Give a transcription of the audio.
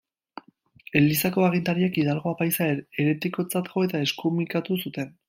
Elizako agintariek Hidalgo apaiza heretikotzat jo eta eskumikatu zuten.